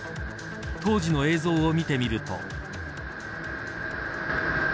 当時の映像を見てみると。